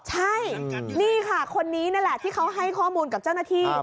ใช่นี่ค่ะคนนี้นั่นแหละที่เขาให้ข้อมูลกับเจ้าหน้าที่